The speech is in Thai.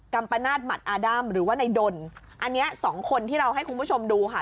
ัมปนาศหมัดอาดั้มหรือว่าในดนอันเนี้ยสองคนที่เราให้คุณผู้ชมดูค่ะ